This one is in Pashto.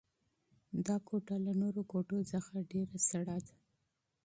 دا کوټه له نورو خونو څخه ډېره یخه ده.